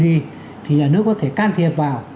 thế thì nhà nước có thể can thiệp vào